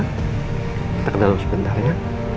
kita ke dalam sebentar ya